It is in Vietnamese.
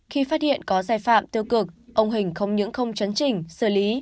khi phát hiện có xây phạm tư cực ông hình không những không chấn trình xử lý